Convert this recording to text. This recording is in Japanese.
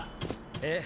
ええ。